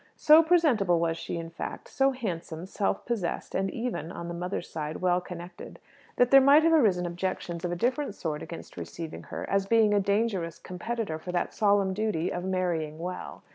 So presentable was she in fact, so handsome, self possessed, and even (on the mother's side) well connected, that there might have arisen objections of a different sort against receiving her, as being a dangerous competitor for that solemn duty of marrying well.